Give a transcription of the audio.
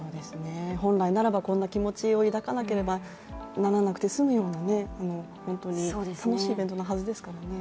本来ならばこんな気持ちを抱かなければならなくて済むような楽しいイベントのはずですからね。